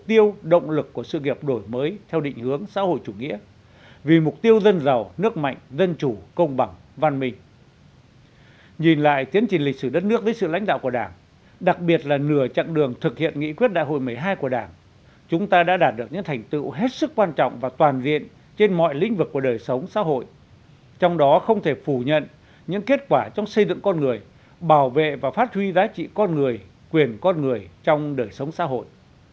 trong suốt tiến trình lịch sử đất nước với sự lãnh đạo của đảng đặc biệt là nửa chặng đường thực hiện nghị quyết đại hội một mươi hai của đảng chúng ta đã đạt được những thành tựu hết sức quan trọng và toàn diện trên mọi lĩnh vực của đời sống xã hội trong đó không thể phủ nhận những kết quả trong xây dựng con người bảo vệ và phát huy giá trị con người quyền con người trong đời sống xã hội